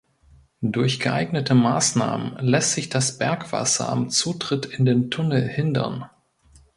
Durch geeignete Maßnahmen lässt sich das Bergwasser am Zutritt in den Tunnel hindern.